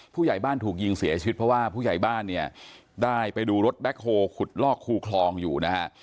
ผู้ใหญ่บ้านถูกยิงเสียชีวิตเพราะว่าผู้ใหญ่บ้านเนี่ยได้ไปดูรถแบ็คโฮลขุดลอกคูคลองอยู่นะฮะ